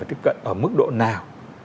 tiếp cận ở mức độ nào